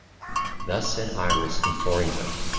324 333) Thus said Iris imploring her.